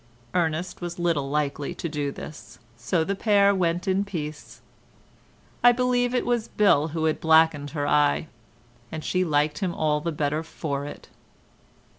Ernest was little likely to do this, so the pair went in peace. I believe it was Bill who had blacked her eye, and she liked him all the better for it.